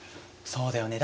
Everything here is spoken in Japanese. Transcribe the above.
そうだよね。